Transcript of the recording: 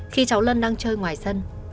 khi cháu lân đang chơi ngoài sân